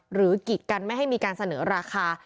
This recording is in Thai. กิจกันไม่ให้มีการเสนอราคา